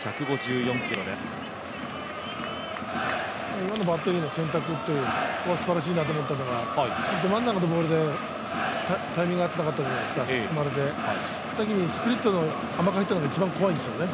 今のバッテリーの選択って、すばらしいなと思ったのがど真ん中のボールでタイミングが合ってなかったじゃないですか、差し込まれてそのときにスプリットが甘く入った球が一番怖いんですよね、